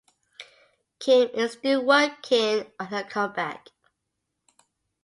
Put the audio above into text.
Kim is still working on her comeback.